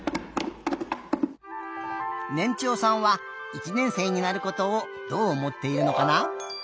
ねんちょうさんは１年生になることをどうおもっているのかな？